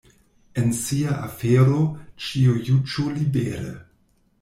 En sia afero ĉiu juĝu libere.